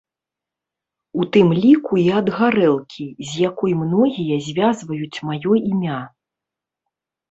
У тым ліку і ад гарэлкі, з якой многія звязваюць маё імя.